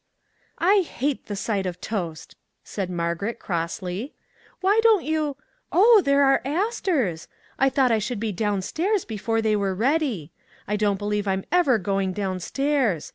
" I hate the sight of toast ;" said Margaret, crossly. " Why didn't you oh, there are as ters ! I thought I should be down stairs before they were ready. I don't believe I'm ever going down stairs.